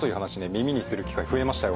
耳にする機会増えましたよ。